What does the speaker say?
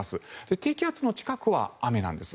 低気圧の近くは雨なんです。